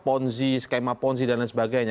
ponzi skema ponzi dan lain sebagainya